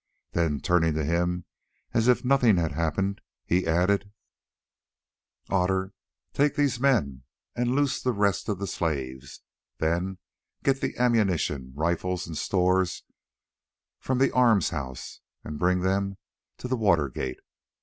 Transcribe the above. Then turning to him as if nothing had happened, he added: "Otter, take these men and loose the rest of the slaves; then get the ammunition, rifles, and stores from the arms house and bring them to the water gate.